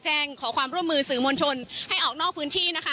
ขอความร่วมมือสื่อมวลชนให้ออกนอกพื้นที่นะคะ